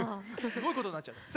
すごいことになっちゃって。